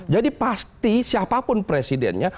jadi pasti siapapun presidennya